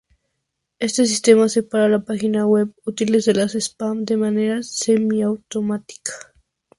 Este sistema separa las páginas web útiles de las de spam de manera semiautomática.